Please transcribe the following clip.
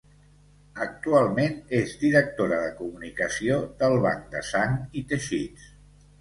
Actualment, és directora de comunicació del Banc de Sang i Teixits.